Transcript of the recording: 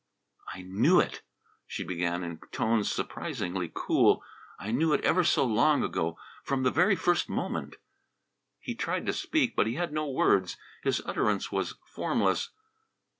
"I knew it!" she began, in tones surprisingly cool. "I knew it ever so long ago, from the very first moment!" He tried to speak, but had no words. His utterance was formless.